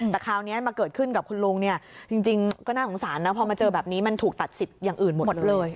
แต่คราวนี้มาเกิดขึ้นกับคุณลุงเนี่ยจริงก็น่าสงสารนะพอมาเจอแบบนี้มันถูกตัดสิทธิ์อย่างอื่นหมดเลย